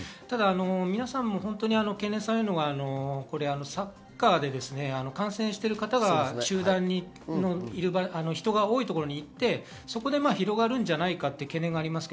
皆さんも懸念されるのがサッカーを観戦している方が集団で人が多いところに行って、そこで広がるんじゃないかという懸念があります。